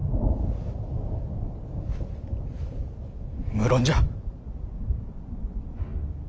無論じゃ。